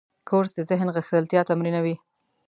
کورس د ذهن غښتلتیا تمرینوي.